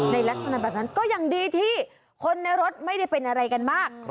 ในลักษณะแบบนั้นก็ยังดีที่คนในรถไม่ได้เป็นอะไรกันมาก